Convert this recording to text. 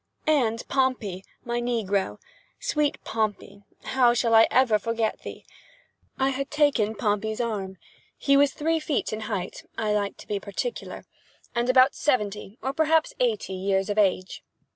And Pompey, my negro!—sweet Pompey! how shall I ever forget thee? I had taken Pompey's arm. He was three feet in height (I like to be particular) and about seventy, or perhaps eighty, years of age.